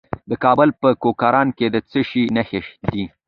د کابل په کلکان کې د څه شي نښې دي؟